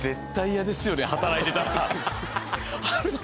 働いてたら。